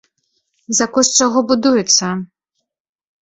За кошт чаго будуецца?